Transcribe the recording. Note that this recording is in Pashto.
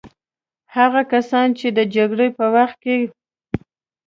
هغه کسان چې د جګړې په وخت کې.